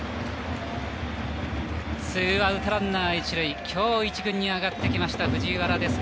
ツーアウト、ランナー、一塁きょう一軍に上がってきた藤原です。